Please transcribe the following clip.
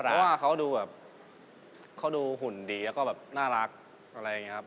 เพราะว่าเขาดูแบบเขาดูหุ่นดีแล้วก็แบบน่ารักอะไรอย่างนี้ครับ